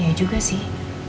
iya juga sih